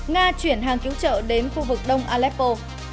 nga chuyển hàng cứu trợ đến khu vực đông aleppo